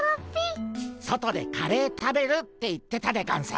外でカレー食べるって言ってたでゴンス。